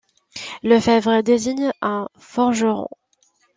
Lefèvre désigne un forgeron.